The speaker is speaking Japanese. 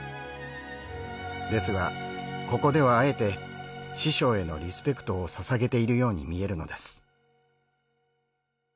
ですがここではあえて師匠へのリスペクトをささげているように見えるのです。